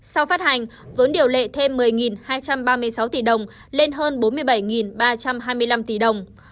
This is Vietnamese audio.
sau phát hành vốn điều lệ thêm một mươi hai trăm ba mươi sáu tỷ đồng lên hơn bốn mươi bảy ba trăm hai mươi năm tỷ đồng